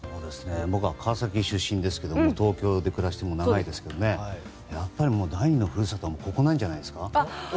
僕は川崎出身ですけど東京で暮らして長いですけど第２の故郷ってここじゃないですか。